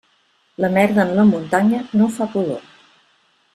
La merda en la muntanya no fa pudor.